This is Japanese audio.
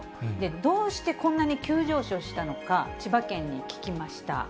どうしてこんなに急上昇したのか、千葉県に聞きました。